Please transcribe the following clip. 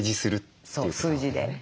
そう数字で。